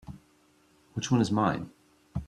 Which one is mine?